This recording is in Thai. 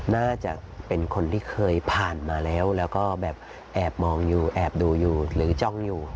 น่าจะเป็นคนที่เคยผ่านมาแล้วแล้วก็แบบแอบมองอยู่แอบดูอยู่หรือจ้องอยู่